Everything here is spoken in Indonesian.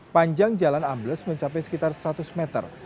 panjang jalan ambles mencapai sekitar seratus meter